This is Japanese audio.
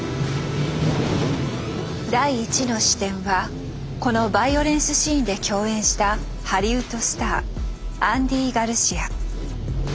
第１の視点はこのバイオレンスシーンで共演したハリウッドスターアンディ・ガルシア。